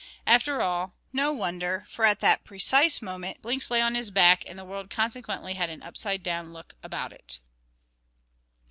After all, no wonder; for at that precise moment Blinks lay on his back, and the world consequently had an up side down look about it.